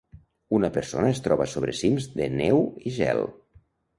Una persona es troba sobre cims de neu i gel.